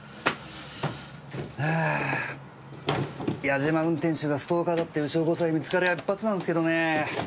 あぁ八嶋運転手がストーカーだっていう証拠さえ見つかりゃ一発なんですけどねぇ。